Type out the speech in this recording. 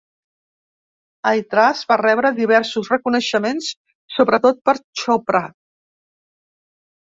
"Aitraaz" va rebre diversos reconeixements, sobretot per Chopra.